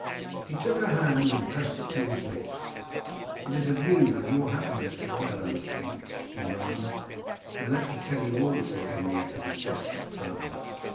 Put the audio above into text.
He took her hand and pressed it to his lips. 'It is of you, and of your happiness that I can alone think,' he murmured. 'Now let me tell you all,' said Henrietta, with desperate firmness.